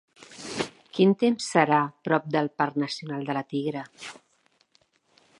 Quin temps serà prop del parc nacional de La Tigra?